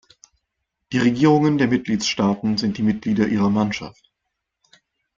Die Regierungen der Mitgliedstaaten sind die Mitglieder Ihrer Mannschaft.